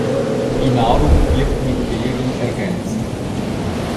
Die Nahrung wird mit Beeren ergänzt.